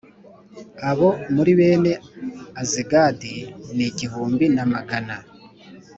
Abo muri bene Azigadi ni igihumbi na magana